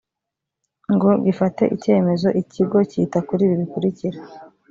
ngo gifate icyemezo ikigo cyita kuri ibi bikurikira